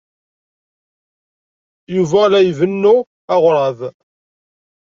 Yuba la ibennu aɣrab.